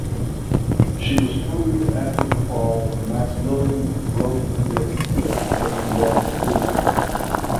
She was freed after the fall of Maximilien Robespierre but was left widowed.